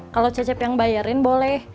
kalau cecep yang bayarin boleh